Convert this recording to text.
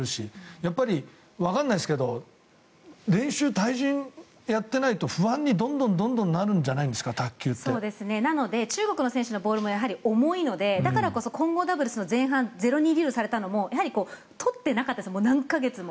やっぱりわからないですけど練習、対人やってないと不安にどんどんなるんじゃないですか中国の選手ってやはり重いのでだからこそ混合ダブルスの前半０対２にされたのもやはり取ってなかったんです何か月も。